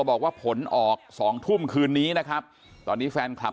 บอกว่าผลออกสองทุ่มคืนนี้นะครับตอนนี้แฟนคลับ